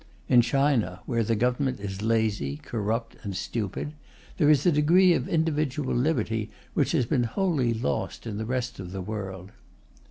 In China, where the Government is lazy, corrupt, and stupid, there is a degree of individual liberty which has been wholly lost in the rest of the world.